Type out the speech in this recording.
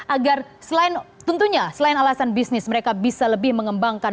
agar selain tentunya selain alasan bisnis mereka bisa lebih mengembangkan